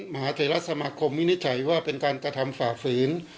มหาเทราสมาคมวินิจฉัยว่าเป็นการกระทำฝ่าฝืน